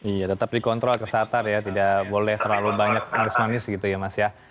iya tetap dikontrol ke satar ya tidak boleh terlalu banyak manis manis gitu ya mas ya